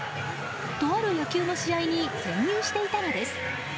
とある野球の試合に潜入していたのです。